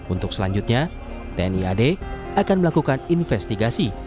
untuk selanjutnya tni ad akan melakukan investigasi